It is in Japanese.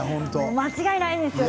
間違いないですよね。